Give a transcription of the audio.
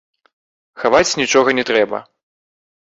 Хаваць нічога не трэба.